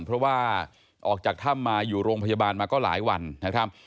เพราะว่าออกจากถ้ำมาอยู่โรงพยาบาลมาก็หลายวันนะครับ